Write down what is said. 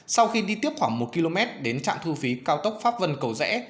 sau khi đi tiếp khoảng một km đến trạm thu phí cao tốc pháp vân cầu rẽ